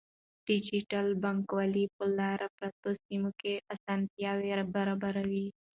ډیجیټل بانکوالي په لیرې پرتو سیمو کې اسانتیاوې برابروي.